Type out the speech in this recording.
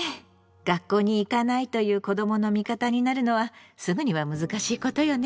学校に行かないという子どもの味方になるのはすぐには難しいことよね。